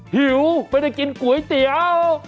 หิวไม่ได้กินก๋วยเตี๋ยว